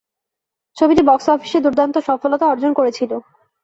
ছবিটি বক্স অফিসে দুর্দান্ত সফলতা অর্জন করেছিল।